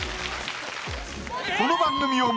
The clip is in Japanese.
この番組を。